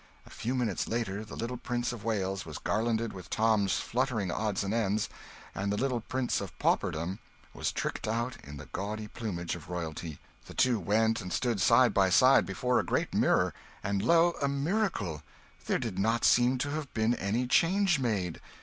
A few minutes later the little Prince of Wales was garlanded with Tom's fluttering odds and ends, and the little Prince of Pauperdom was tricked out in the gaudy plumage of royalty. The two went and stood side by side before a great mirror, and lo, a miracle: there did not seem to have been any change made!